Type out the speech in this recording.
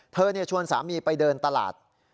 ชวนสามีไปเดินตลาด